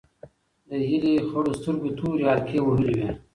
د هیلې خړو سترګو تورې حلقې وهلې وې.